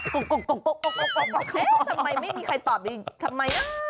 ก็ทำไมไม่มีใครตอบอีกทำไม